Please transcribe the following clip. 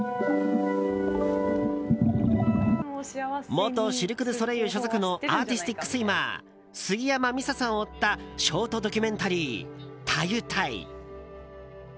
元シルク・ドゥ・ソレイユ所属のアーティスティックスイマー杉山美紗さんを追ったショートドキュメンタリー「たゆたい」。